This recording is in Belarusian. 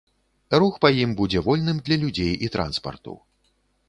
Рух па ім будзе вольным для людзей і транспарту.